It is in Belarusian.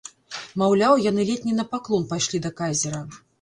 Маўляў, яны ледзь не на паклон пайшлі да кайзера.